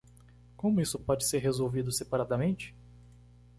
Como isso pode ser resolvido separadamente?